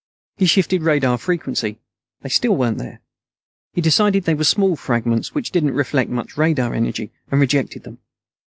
He shifted radar frequency. They still weren't there. He decided they were small fragments which didn't reflect much radar energy, and rejected them.